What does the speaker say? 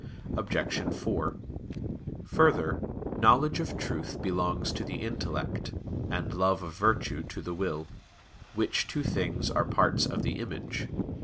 Obj. 4: Further, knowledge of truth belongs to the intellect, and love of virtue to the will; which two things are parts of the image.